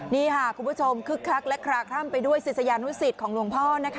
นี่ค่ะคุณผู้ชมคึกคักและคลาคล่ำไปด้วยศิษยานุสิตของหลวงพ่อนะคะ